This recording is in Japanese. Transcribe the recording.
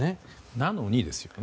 なのに、ですよね。